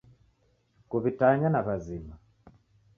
Kuw'itanya w'azima.